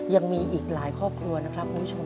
ยังมีอีกหลายครอบครัวนะครับคุณผู้ชม